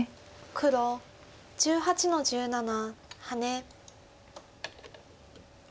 黒１８の十七ハネ。